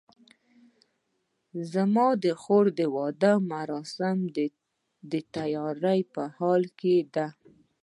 زما خور د واده د مراسمو د تیارۍ په حال کې ده